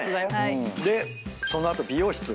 でその後美容室。